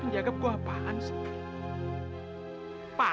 dia mengangkat saya